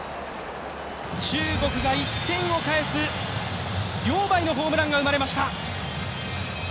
中国が１点を返す、リョウ・バイのホームランが生まれました。